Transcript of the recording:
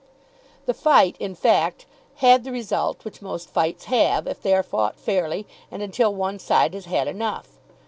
The fight, in fact, had the result which most fights have, if they are fought fairly and until one side has had enough.